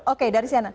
oke dari cnn